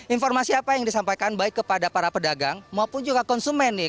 informasi apa yang disampaikan baik kepada para pedagang maupun juga konsumen nih